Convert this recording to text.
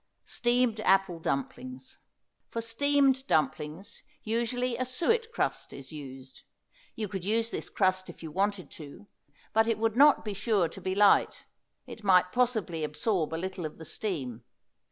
STEAMED APPLE DUMPLINGS. For steamed dumplings usually a suet crust is used. You could use this crust if you wanted to, but it would not be sure to be light. It might possibly absorb a little of the steam.